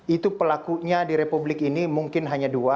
itu pelakunya di republik ini mungkin hanya dua